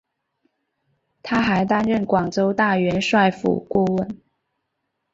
他还担任广州大元帅府顾问。